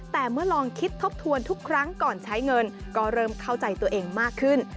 แต่เมื่อลองคิดทบทวนทุกครั้งก่อนใช้เงินก็เริ่มเข้าใจตัวเองมากขึ้น